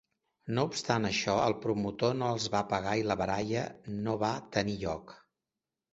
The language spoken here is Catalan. No obstant això, el promotor no els va pagar i la baralla no va tenir lloc.